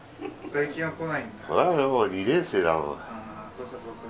そっかそっか。